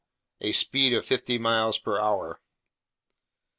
"A speed of fifty miles per hour."